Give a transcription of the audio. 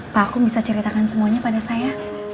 pak aku bisa ceritakan semuanya pada saya